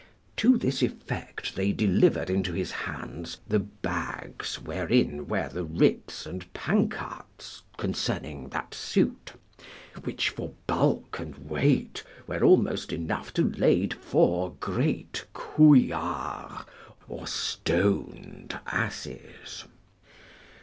To this effect they delivered into his hands the bags wherein were the writs and pancarts concerning that suit, which for bulk and weight were almost enough to lade four great couillard or stoned asses.